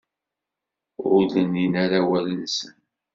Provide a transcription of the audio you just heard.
Ur d-nnin ara awal-nsen.